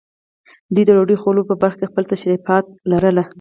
دوی د ډوډۍ خوړلو په برخه کې خپل تشریفات لرل.